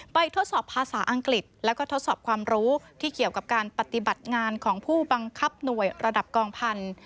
ทดสอบภาษาอังกฤษแล้วก็ทดสอบความรู้ที่เกี่ยวกับการปฏิบัติงานของผู้บังคับหน่วยระดับกองพันธุ์